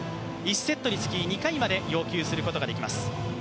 １セットにつき２回まで要求することができます。